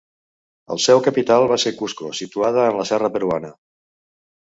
El seu capital va ser Cusco, situada en la serra peruana.